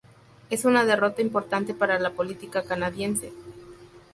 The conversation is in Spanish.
Es una derrota importante para la política canadiense.